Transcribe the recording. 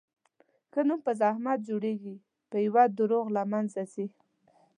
ښه نوم په زحمت جوړېږي، په یوه دروغ له منځه ځي.